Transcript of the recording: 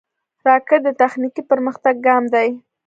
راکټ د تخنیکي پرمختګ ګام دی